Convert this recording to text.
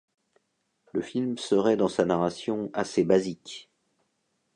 Le film serait dans sa narration assez basique.